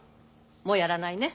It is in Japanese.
もうやらないね？